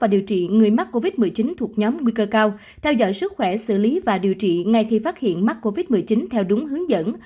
điều trị người mắc covid một mươi chín thuộc nhóm nguy cơ cao theo dõi sức khỏe xử lý và điều trị ngay khi phát hiện mắc covid một mươi chín theo đúng hướng dẫn